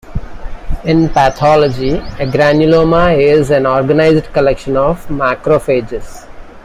In pathology, a granuloma is an organized collection of macrophages.